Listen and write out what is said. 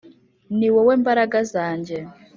Ni wowe mbaraga zanjye